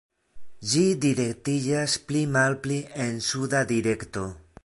Ĝi direktiĝas pli malpli en suda direkto.